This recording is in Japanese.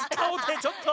ちょっと！